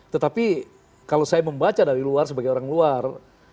tetapi kalau saya membaca dari luar sebagai orang luar